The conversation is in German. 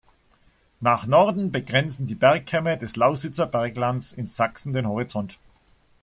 Nach Norden begrenzen die Bergkämme des Lausitzer Berglands in Sachsen den Horizont.